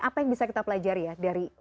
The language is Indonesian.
apa yang bisa kita pelajari ya dari facebook